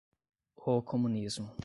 O comunismo